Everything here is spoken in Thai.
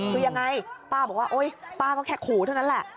คือยังไงป้าบอกว่าโอ๊ยป้าก็แค่ขู่เท่านั้นแหละ